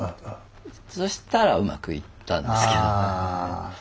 そしたらうまくいったんですけどね。